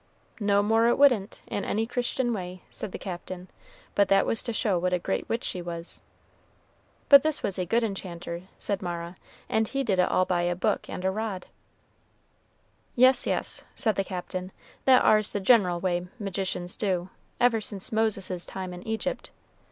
"No more it wouldn't, in any Christian way," said the Captain; "but that was to show what a great witch she was." "But this was a good enchanter," said Mara, "and he did it all by a book and a rod." "Yes, yes," said the Captain; "that ar's the gen'l way magicians do, ever since Moses's time in Egypt.